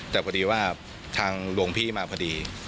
แต่พอดีว่าทางหลวงพี่มาพอดี